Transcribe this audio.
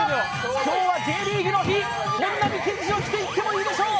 今日はＪリーグの日、本並健治の日と言ってもいいでしょう。